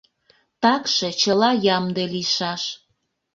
Такше чыла ямде лийшаш.